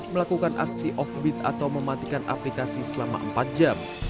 melakukan aksi offbeat atau mematikan aplikasi selama empat jam